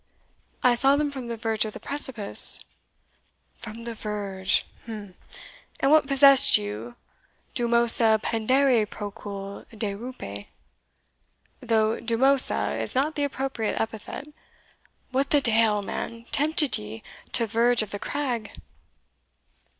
"I saw them from the verge of the precipice." "From the verge! umph And what possessed you dumosa pendere procul de rupe? though dumosa is not the appropriate epithet what the deil, man, tempted ye to the verge of the craig?"